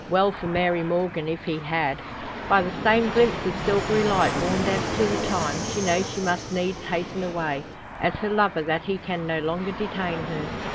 Well for Mary Morgan if he had. By the same glimpse of silvery light warned as to the time, she knows she must needs hasten away; as her lover, that he can no longer detain her.